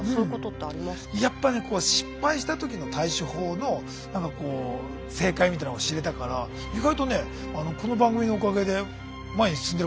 やっぱりね失敗した時の対処法の何かこう正解みたいのを知れたから意外とねこの番組のおかげで前に進んでること多いのよ。